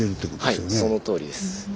そのとおりです。